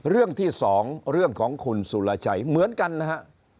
เรื่องที่๒เรื่องของคุณสุรชัยเหมือนกันนะฮะ